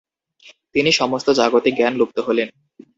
তিনি সমস্ত জাগতিক জ্ঞান লুপ্ত হলেন।